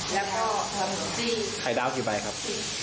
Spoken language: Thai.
แล้วก็ไข่ดาวกี่ใบครับ